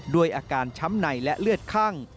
ด้วยอาการช้ำในและเลือดคั่ง